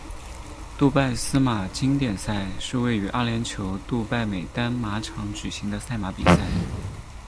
杜拜司马经典赛是于阿联酋杜拜美丹马场举行的赛马比赛。